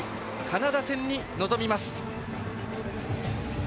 カナダ戦に臨みます。